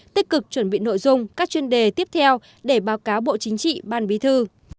tích cực chuẩn bị nội dung các chuyên đề tiếp theo để báo cáo bộ chính trị ban bí thư